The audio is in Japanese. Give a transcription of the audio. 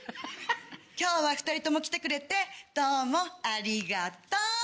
今日は２人とも来てくれてどうもありがトン。